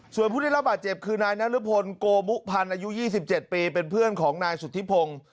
ส่วนผู้ได้รับบาดเจ็บคือนายนรพลโกมุพันธ์อายุ๒๗ปีเป็นเพื่อนของนายสุธิพงศ์